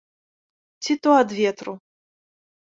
Ці то ад ветру.